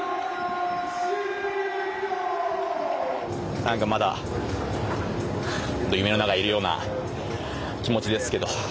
何かまだ夢の中にいるような気持ちですけど。